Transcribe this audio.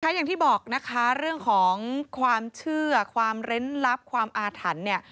อย่างที่บอกนะคะเรื่องของความเชื่อความเร้นลับความอาถรรพ์เนี่ย